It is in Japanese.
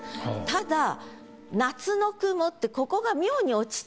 ただ「夏の雲」ってここが。